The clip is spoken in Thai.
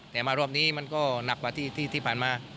แต่มารอบนี้มันก็หนักกว่าที่ผ่านมา